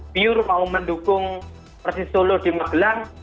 pure mau mendukung persis solo di magelang